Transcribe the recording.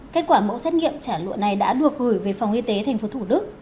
kết quả mẫu xét nghiệm trả lụa này đã được gửi về phòng y tế tp thủ đức